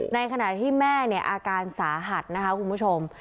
ในขณะที่แม่เนี่ยอาการสาหัสนะคะคุณผู้ชม